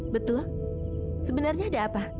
betul sebenarnya ada apa